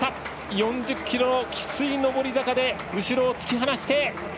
４０ｋｍのきつい上り坂で後ろを突き放して。